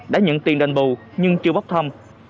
đã nhận tiền đền bù nhưng chưa bốc thăm